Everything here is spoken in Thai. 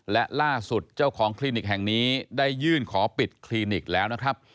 และล่าสุดเจ้าของคลินิกแห่งนี้ได้ยื่นขอปิดคลินิกแล้วนะครับ